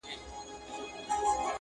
ستا شهپر دي په اسمان کي بریالی وي!!